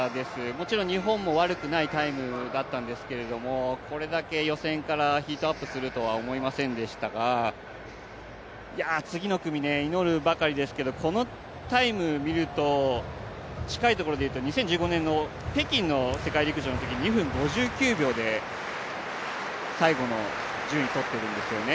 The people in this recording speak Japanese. もちろん日本も悪くないタイムだったんですけどこれだけ予選からヒートアップするとは思いませんでしたが、次の組、祈るばかりですけどこのタイム見ると、近いところでいうと２０１５年の北京の世界陸上のときに２分５９秒で最後の順位を取っているんですよね。